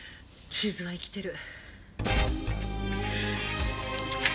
地図は生きている。